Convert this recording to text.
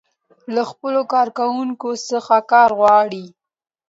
له خپلو کارکوونکو څخه کار غواړي.